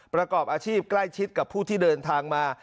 ประกอบอาชีพใกล้ชิดกับผู้ที่เดินทางมา